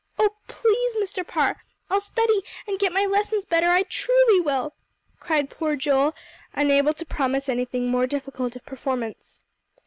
Oh, please, Mr. Parr I'll study, and get my lessons better, I truly will," cried poor Joel, unable to promise anything more difficult of performance.